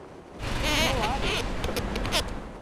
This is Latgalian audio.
Nu labi!